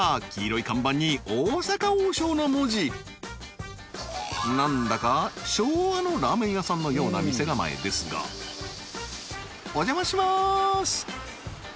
黄色い看板に「大阪王将」の文字なんだか昭和のラーメン屋さんのような店構えですがお邪魔します！